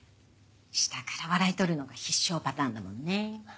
下から笑い取るのが必勝パターンだもんね。